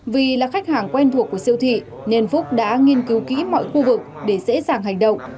vì là khách hàng quen thuộc của siêu thị nên phúc đã nghiên cứu kỹ mọi khu vực để dễ dàng hành động